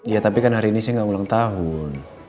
ya tapi kan hari ini saya nggak ulang tahun